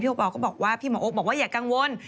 โอปอลก็บอกว่าพี่หมอโอ๊คบอกว่าอย่ากังวล